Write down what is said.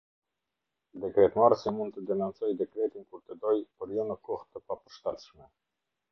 Dekretmarrësi mund të denoncojë dekretin kur të dojë, por jo në kohë të papërshtatshme.